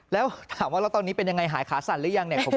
แล้วถามว่าเราก็ตอนนี้เป็นอย่างไรหายขาสั่นหรือยัง